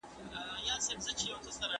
ټولنیز نظم د ګډو اصولو پر بنسټ ولاړ دی.